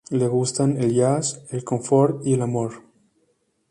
Le gustan el jazz, el confort y el amor.